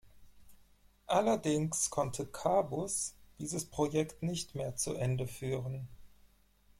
Allerdings konnte Kabus dieses Projekt nicht mehr zu Ende führen.